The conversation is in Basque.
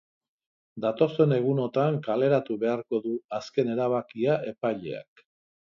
Datozen egunotan kaleratu beharko du azken erabakia epaileak.